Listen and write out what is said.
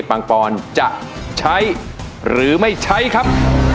ปังปอนจะใช้หรือไม่ใช้ครับ